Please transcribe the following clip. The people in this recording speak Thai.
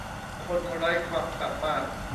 คนไร้ความสามารถ